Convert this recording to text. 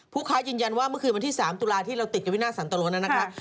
ค้ายืนยันว่าเมื่อคืนวันที่๓ตุลาที่เราติดกับวินาทสันตะโลนั้นนะคะ